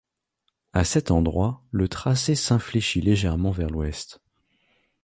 À cet endroit, le tracé s'infléchit légèrement vers l'ouest.